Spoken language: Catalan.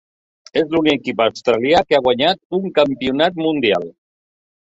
És l'únic equip australià que ha guanyat un campionat mundial.